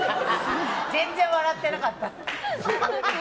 全然笑ってなかった。